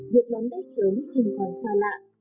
việc đón tết sớm không còn xa lạ